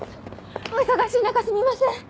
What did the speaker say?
お忙しい中すみません！